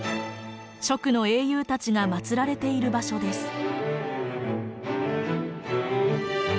蜀の英雄たちが祀られている場所です。